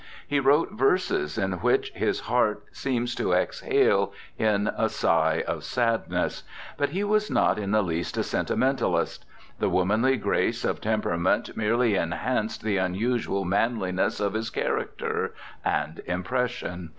He wrote verses in which his heart seems to exhale in a sigh of sadness. But he was not in the least a sentimentalist. The womanly grace of temperament merely enhanced the unusual manliness of his character and impression.